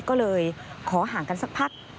ก็เลยขอห่างกันสักพัก